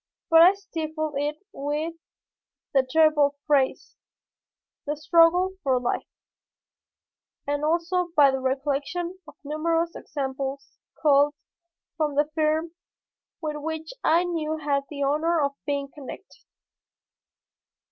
But I stifled it with the terrible phrase, "the struggle for life," and also by the recollection of numerous examples culled from the firm with which I now had the honor of being connected.